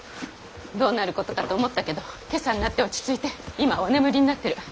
どうなることかと思ったけど今朝になって落ち着いて今はお眠りになってる。